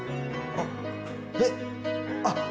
えっ？あっ。